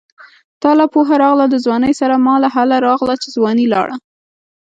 تاله پوهه راغله د ځوانۍ سره ماله هله راغله چې ځواني لاړه